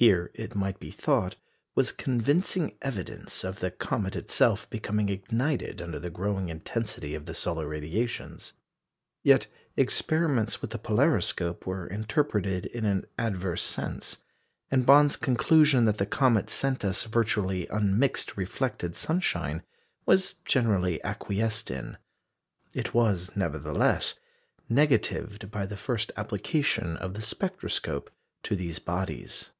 Here, it might be thought, was convincing evidence of the comet itself becoming ignited under the growing intensity of the solar radiations. Yet experiments with the polariscope were interpreted in an adverse sense, and Bond's conclusion that the comet sent us virtually unmixed reflected sunshine was generally acquiesced in. It was, nevertheless, negatived by the first application of the spectroscope to these bodies.